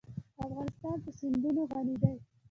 افغانستان په سیندونه غني دی.